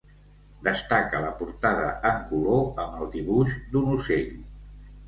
Destaca la portada en color amb el dibuix d'un ocell.